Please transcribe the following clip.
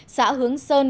xã hướng sơn